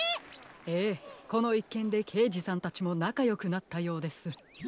ええこのいっけんでけいじさんたちもなかよくなったようです。